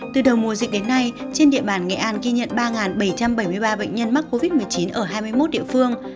từ đầu mùa dịch đến nay trên địa bàn nghệ an ghi nhận ba bảy trăm bảy mươi ba bệnh nhân mắc covid một mươi chín ở hai mươi một địa phương